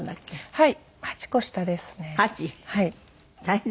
はい。